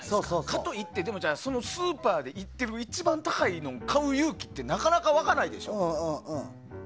かといってスーパーで売ってる一番高いのを買う勇気ってなかなか湧かないでしょ。